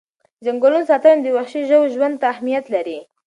د ځنګلونو ساتنه د وحشي ژوو ژوند ته اهمیت لري.